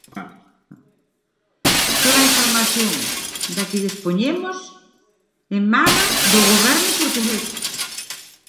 Toda a información da que dispoñemos emana do Goberno portugués.